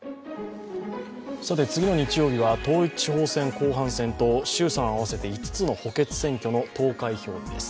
次の日曜日は統一地方選後半戦と衆参合わせて５つの補欠選挙の投開票日です。